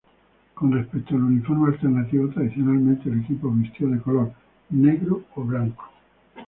Con respecto al uniforme alternativo tradicionalmente el equipo vistió de color negro o blanco.